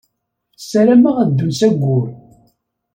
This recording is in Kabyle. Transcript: Ssaramen ad ddun s Ayyur.